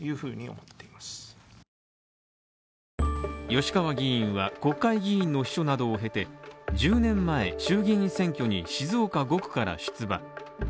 吉川議員は国会議員の秘書などを経て、１０年前衆議院選挙に静岡５区から出馬。